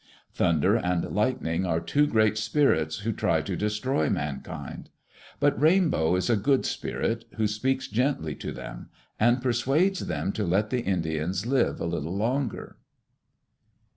Thunder and Lightning are two great spirits who try to destroy mankind. But Rainbow is a good spirit who speaks gently to them, and persuades them to let the Indians live a little longer.